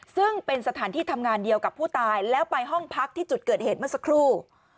ซึ่งเป็นสถานที่ทำงานเดียวกับผู้ตายแล้วไปห้องพักที่จุดเกิดเหตุเมื่อสักครู่